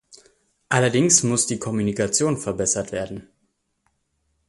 Allerdings muss die Kommunikation verbessert werden.